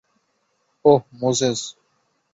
ওহ, Moses.